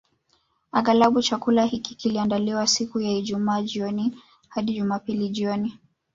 Aghalabu chakula hiki kiliandaliwa siku ya Ijumaa jioni hadi Jumapili jioni